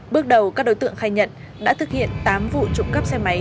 bước đầu các đối tượng khai nhận đã thực hiện tám vụ trộm cắp xe máy